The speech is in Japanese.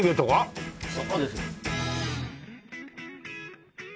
そうですよ。